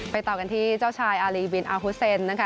ต่อกันที่เจ้าชายอารีบินอาฮุเซนนะคะ